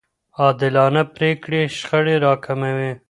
عادلانه پرېکړې شخړې راکموي.